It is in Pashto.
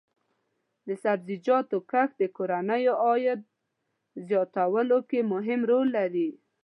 د سبزیجاتو کښت د کورنیو عاید زیاتولو کې مهم رول لري.